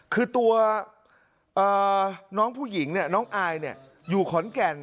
คือตัวน้องผู้หญิงน้องอายอยู่ขอนแก่น